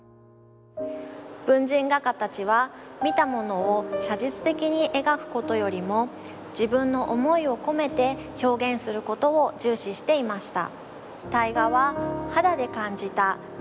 文人画家たちは見たものを写実的に描くことよりも自分の思いを込めて表現することを重視していました。